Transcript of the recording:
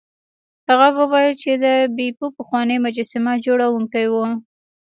هغه وویل چې بیپو پخوانی مجسمه جوړونکی و.